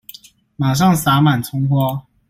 馬上灑滿蔥花